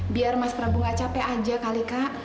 biar mas prabu gak capek aja kali kak